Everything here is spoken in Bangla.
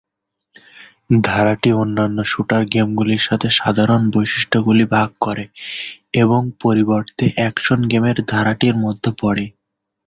ধারাটি অন্যান্য শ্যুটার গেমগুলির সাথে সাধারণ বৈশিষ্ট্যগুলি ভাগ করে এবং পরিবর্তে অ্যাকশন গেমের ধারাটির মধ্যে পড়ে।